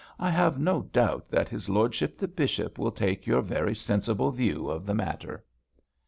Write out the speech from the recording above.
I have no doubt that his lordship, the bishop, will take your very sensible view of the matter.'